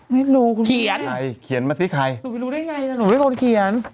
ไม่รู้คุณเขียนใครเขียนมาสิใครหนูไม่รู้ได้ไงนะหนูเป็นคนเขียน